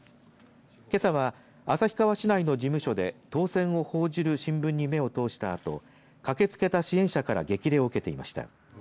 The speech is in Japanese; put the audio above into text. けさは、旭川市内の事務所で当選を報じる新聞に目を通したあと駆けつけた支援者から激励を受けていました。